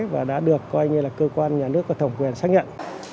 và đã được cơ quan nhà nước và thổng quyền xác nhận